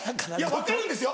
分かるんですよ。